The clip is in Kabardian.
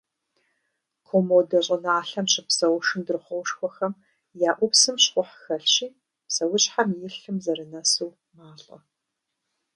Комодо щӏыналъэм щыпсэу шындрыхъуоушхуэхэм я ӏупсым щхъухь хэлъщи, псэущхьэм и лъым зэрынэсу малӏэ.